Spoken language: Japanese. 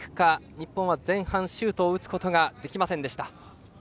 日本は前半シュートを打つことができませんでした。